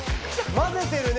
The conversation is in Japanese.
まぜてるね。